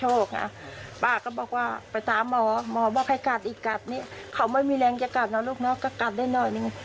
หมอว่าใครกัดอีกกัดนี่เขาไม่มีแรงจะกัดนะลูกน้อยก็กัดได้หน่อยหนึ่ง